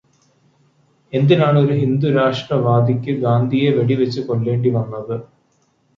എന്തിനാണ് ഒരു ഹിന്ദുരാഷ്ട്രവാദിക്ക് ഗാന്ധിയെ വെടിവച്ചു കൊല്ലേണ്ടി വന്നത്?